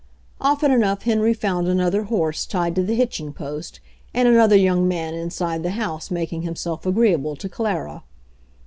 Often enough Henry found another horse tied to the hitching post, and another young man inside the house making himself agreeable to Clara.